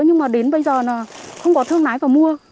nhưng mà đến bây giờ là không có thương lái và mua